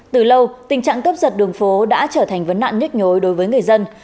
từ lâu tình trạng cấp giật đường phố đã trở thành vấn nạn nhức nhối đối với người dân